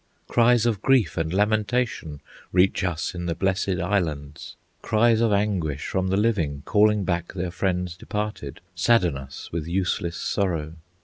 "Cries of grief and lamentation Reach us in the Blessed Islands; Cries of anguish from the living, Calling back their friends departed, Sadden us with useless sorrow.